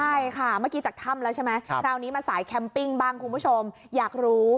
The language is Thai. ใช่ค่ะเมื่อกี้จากถ้ำแล้วใช่ไหมคราวนี้มาสายแคมปิ้งบ้างคุณผู้ชมอยากรู้